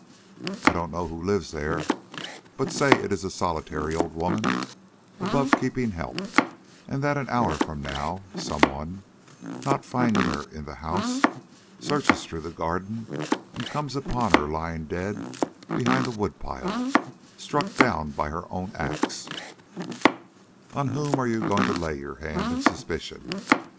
I don't know who lives there, but say it is a solitary old woman above keeping help, and that an hour from now some one, not finding her in the house, searches through the garden and comes upon her lying dead behind the wood pile, struck down by her own axe. On whom are you going to lay your hand in suspicion?